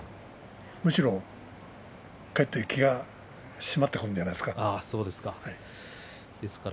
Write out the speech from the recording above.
むしろかえって気が締まったということじゃないですか。